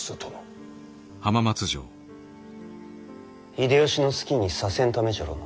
秀吉の好きにさせんためじゃろうな。